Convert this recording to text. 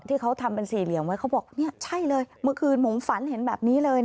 ที่เขาทำเป็นสี่เหลี่ยมไว้เขาบอกนี่ใช่เลยเมื่อคืนผมฝันเห็นแบบนี้เลย